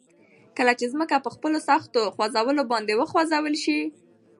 کله چې ځمکه په خپلو سختو خوځولو باندي وخوځول شي